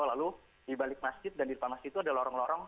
lalu di balik masjid dan di depan masjid itu ada lorong lorong